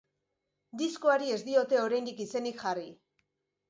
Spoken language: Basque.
Diskoari ez diote oraindik izenik jarri.